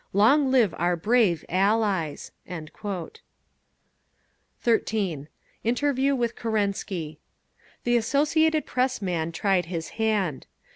Long live our brave Allies!" 13. INTERVIEW WITH KERENSKY The Associated Press man tried his hand.